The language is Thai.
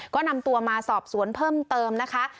ก็นำตัวมาสอบสวนเพิ่มเติมนะคะ